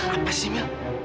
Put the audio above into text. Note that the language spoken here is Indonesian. apa sih mil